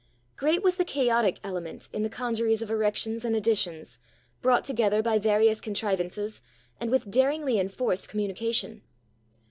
Great was the chaotic element in the congeries of erections and additions, brought together by various contrivances, and with daringly enforced communication.